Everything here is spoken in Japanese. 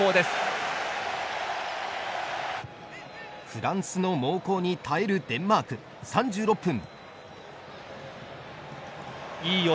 フランスの猛攻に耐えるデンマーク３６分。